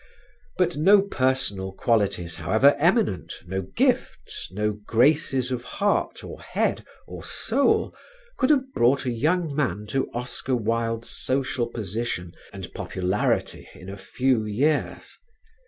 But no personal qualities, however eminent, no gifts, no graces of heart or head or soul could have brought a young man to Oscar Wilde's social position and popularity in a few years.